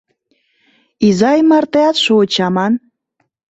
— «Изай» мартеат шуыч аман.